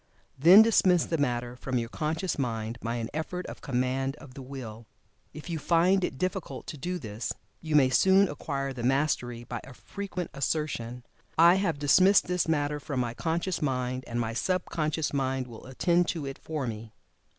Then dismiss the matter from your conscious mind, by an effort of command of the Will. If you find it difficult to do this, you may soon acquire the mastery by a frequent assertion, "I have dismissed this matter from my conscious mind, and my sub conscious mind will attend to it for me."